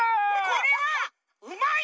これはうまい！